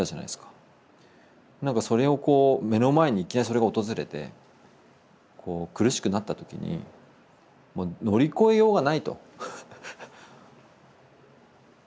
なんかそれをこう目の前にいきなりそれが訪れて苦しくなった時に乗り越えようがないと。